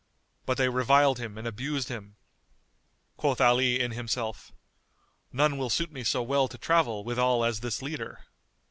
But they reviled him and abused him. Quoth Ali in himself, "None will suit me so well to travel withal as this leader."